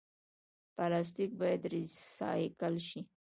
پلاستیک باید ریسایکل شي